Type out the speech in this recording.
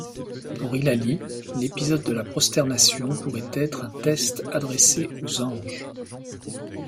Pour Hilali, l'épisode de la prosternation pourrait être un test adressé aux anges.